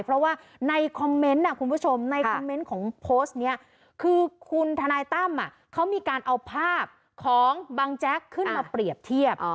เพราะว่าในคอมเม้นต์ของโพสต์นี้คือคุณธนัยตั้มเขามีการเอาภาพของบางแจ๊กขึ้นมาเปรียบเทียบ